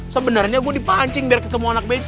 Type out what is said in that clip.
sebenernya gue dipancing biar ketemu anak bc